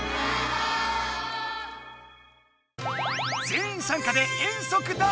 全員参加で遠足だ！